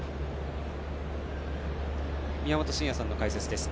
宮本慎也さんの解説です。